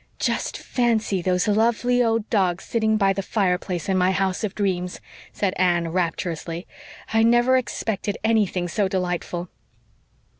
"Just fancy those lovely old dogs sitting by the fireplace in my house of dreams," said Anne rapturously. "I never expected anything so delightful."